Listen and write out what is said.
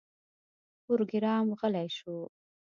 پروګرامر غلی شو